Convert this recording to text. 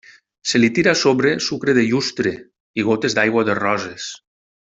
Se li tira a sobre sucre de llustre, i gotes d'aigua de roses.